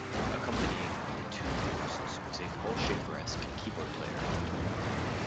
Accompanying the two hosts was a Paul Shaffer-esque keyboard player.